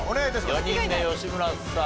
４人目吉村さん